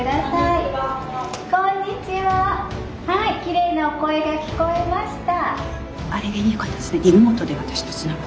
はいきれいなお声が聞こえました。